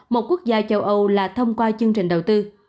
một quốc gia châu âu là thông qua chương trình đầu tư